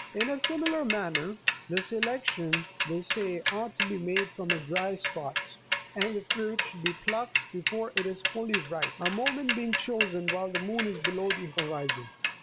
In a similar manner, the selection, they say, ought to be made from a dry spot, and the fruit should be plucked before it is fully ripe, a moment being chosen while the moon is below the horizon.